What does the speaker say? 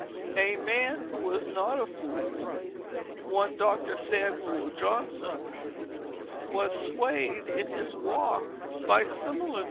A man who was not a fool, one Dr. Samuel Johnson, was swayed in his walk by similar notions.